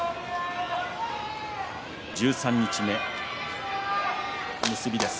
十三日目、結びです。